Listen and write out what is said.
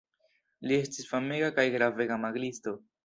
Li estis famega kaj gravega magiisto.